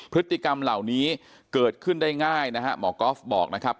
พฤติกรรมเหล่านี้เกิดขึ้นได้ง่ายนะฮะหมอก๊อฟบอกนะครับ